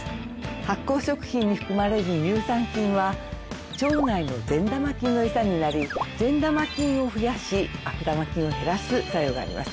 発酵食品に含まれる乳酸菌は腸内の善玉菌の餌になり善玉菌を増やし悪玉菌を減らす作用があります。